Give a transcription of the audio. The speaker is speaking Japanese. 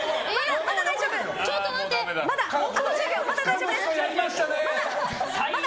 まだ大丈夫！